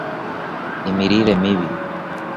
imirire n’ibindi